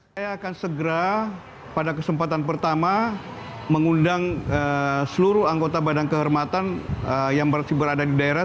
saya akan segera pada kesempatan pertama mengundang seluruh anggota badan kehormatan yang berada di daerah